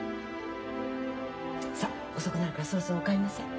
さっ遅くなるからそろそろお帰りなさい。